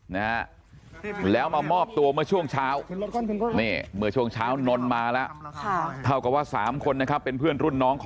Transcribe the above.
นะแล้วมอบตัวเมื่อช่วงเช้าเนี่ยเมื่อช่วงเช้านนมาแล้ว